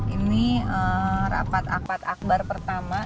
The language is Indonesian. ini rapat akbar pertama